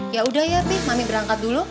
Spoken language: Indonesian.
ya udah ya pi mami berangkat dulu